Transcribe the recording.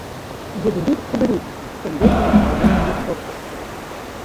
Йыдырит-кудырит! — шеҥгечынем айдеме йӱк шоктыш.